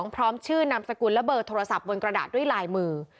พร้อมชื่อนามสกุลและเบอร์โทรศัพท์บนกระดาษด้วยลายมือ